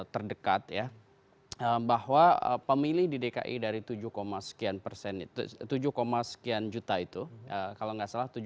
terdekat ya bahwa pemilih di dki dari tujuh sekian persen itu tujuh sekian juta itu kalau nggak salah